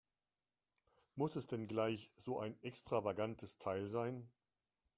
Muss es denn gleich so ein extravagantes Teil sein?